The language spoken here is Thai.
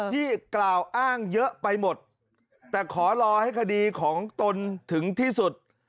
ที่กล่าวอ้างเยอะไปหมดแต่ขอรอให้คดีของตนถึงที่สุด